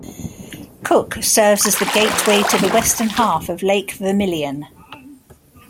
Cook serves as the gateway to the western half of Lake Vermilion.